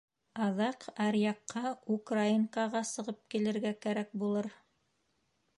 Аҙаҡ аръяҡҡа, Украинкаға, сығып килергә кәрәк булыр.